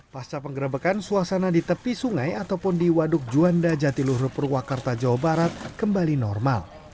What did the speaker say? pasca penggerebekan suasana di tepi sungai ataupun di waduk juanda jatiluhur purwakarta jawa barat kembali normal